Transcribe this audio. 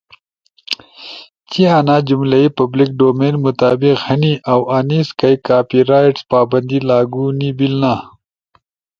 چی انا جملئی پبلک ڈومین مطابق ہنی اؤ انیس کئی کاپی رائٹس پابندی لاگو نی بیلنا۔